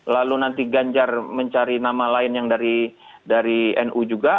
lalu nanti ganjar mencari nama lain yang dari nu juga